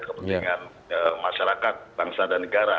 kepentingan masyarakat bangsa dan negara